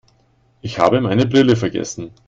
Ich habe meine Brille vergessen.